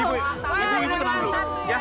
ibu ibu tenang dulu